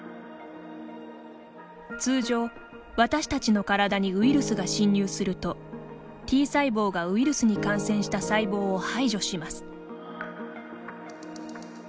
通常、私たちの体にウイルスが侵入するとＴ細胞がウイルスに感染した細胞を排除します。